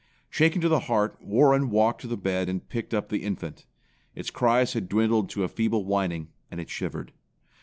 Shaken to the heart, Warren walked to the bed and picked up the infant. Its cries had dwindled to a feeble whining, and it shivered.